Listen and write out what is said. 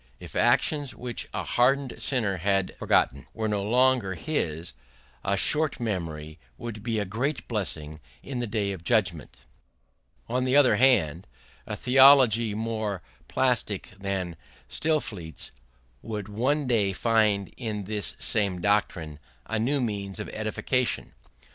If actions which a hardened sinner had forgotten were no longer his, a short memory would be a great blessing in the Day of Judgment. On the other hand, a theology more plastic than Stillingfleet's would one day find in this same doctrine a new means of edification.